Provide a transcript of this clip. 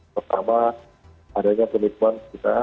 pertama adanya penipuan kita